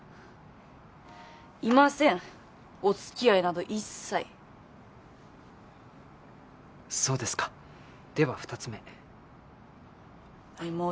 いませんお付き合いなど一切そうですかでは２つ目はい